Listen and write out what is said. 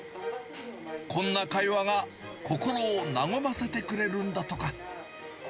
こんな会話が心を和ませてくれるんだとか。